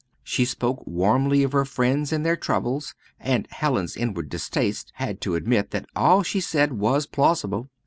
She spoke warmly of her friends and their troubles, and Hallin's inward distaste had to admit that all she said was plausible.